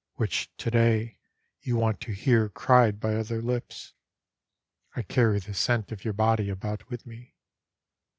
Which tO'day you want to hear cried by other lips. I carry the scent of your body about with me.